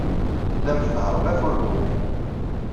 Tellam tnehhṛem afurgu-nni.